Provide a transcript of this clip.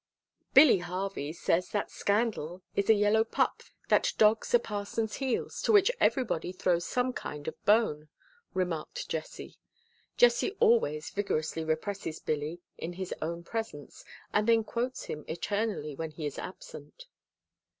"Billy Harvey says that scandal is a yellow pup that dogs a parson's heels, to which everybody throws some kind of bone," remarked Jessie. Jessie always vigorously represses Billy in his own presence and then quotes him eternally when he is absent.